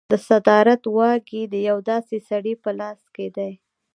د صدارت واګې د یو داسې سړي په لاس کې دي.